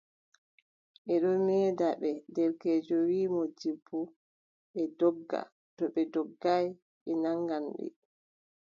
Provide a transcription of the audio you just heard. Ɓe ɗon meeda ɓe, derkeejo wii moodibbo, ɓe ndogga, to ɓe ndoggaay ɓe naŋgan ɓe.